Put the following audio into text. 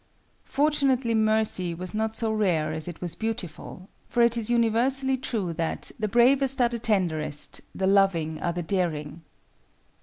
Fortunately Mercy was not so rare as it was beautiful, for it is universally true that "The bravest are the tenderest, the loving are the daring."